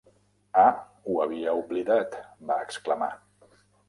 "Ah, ho havia oblidat", va exclamar.